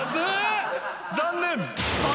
残念！